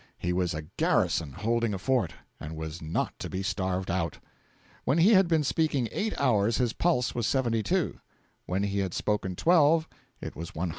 He was a garrison holding a fort, and was not to be starved out. When he had been speaking eight hours his pulse was 72; when he had spoken twelve, it was 100.